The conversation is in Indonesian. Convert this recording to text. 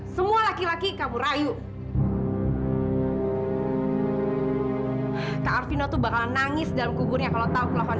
sampai jumpa di video selanjutnya